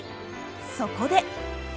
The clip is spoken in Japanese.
そこで！